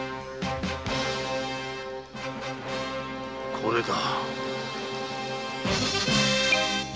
これだ。